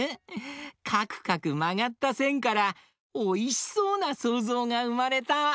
かくかくまがったせんからおいしそうなそうぞうがうまれた！